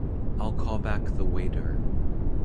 I'll call back the waiter.